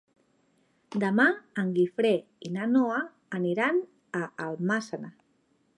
Demà en Guifré i na Noa aniran a Almàssera.